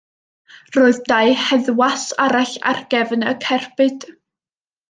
Roedd dau heddwas arall ar gefn y cerbyd.